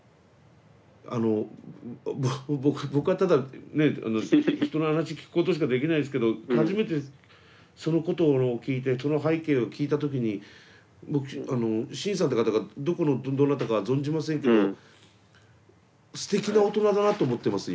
あの僕はただね人の話聞くことしかできないんですけど初めてそのことを聞いてその背景を聞いた時に僕シンさんって方がどこのどなたかは存じませんけどすてきな大人だなと思ってます